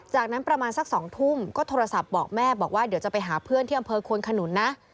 จากนั้นประมาณสัก๒ทุ่มก็โทรศัพท์บอกแม่บอกว่าเดี๋ยวจะไปหาเพื่อนที่อำเภอควนขนุนนะ